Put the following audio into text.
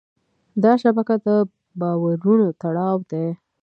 دا شبکه د باورونو تړاو دی.